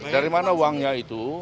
dari mana uangnya itu